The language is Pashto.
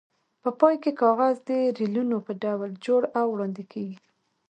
په پای کې کاغذ د ریلونو په ډول جوړ او وړاندې کېږي.